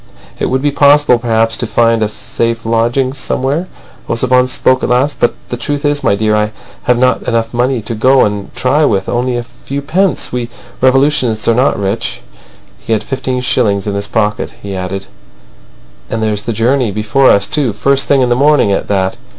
"It would be possible perhaps to find a safe lodging somewhere," Ossipon spoke at last. "But the truth is, my dear, I have not enough money to go and try with—only a few pence. We revolutionists are not rich." He had fifteen shillings in his pocket. He added: "And there's the journey before us, too—first thing in the morning at that."